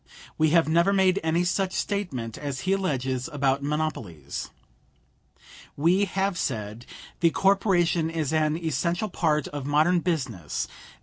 We have never made any such statement as he alleges about monopolies. We have said: "The corporation is an essential part of modern business.